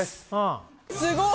すごい。